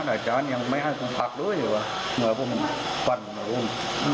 แต่มันท่านไม่ได้เหน่าเดินมาให้ในคุณ